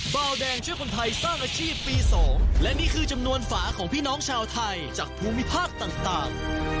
เบาแดงช่วยคนไทยสร้างอาชีพปี๒และนี่คือจำนวนฝาของพี่น้องชาวไทยจากภูมิภาคต่าง